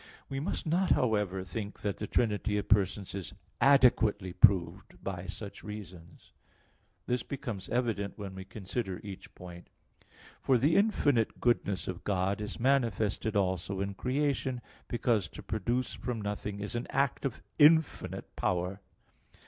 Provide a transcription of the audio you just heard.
We must not, however, think that the trinity of persons is adequately proved by such reasons. This becomes evident when we consider each point; for the infinite goodness of God is manifested also in creation, because to produce from nothing is an act of infinite power.